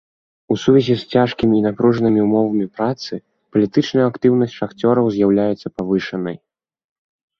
У сувязі з цяжкімі і напружанымі ўмовамі працы, палітычная актыўнасць шахцёраў з'яўляецца павышанай.